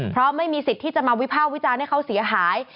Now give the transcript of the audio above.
เพราะไม่มีสิทธิ์ที่จะมาวิภาควิจารณ์ให้เขาเสียหาย